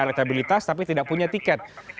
elektabilitas tapi tidak punya tiket